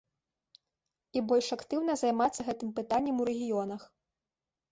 І больш актыўна займацца гэтым пытаннем у рэгіёнах.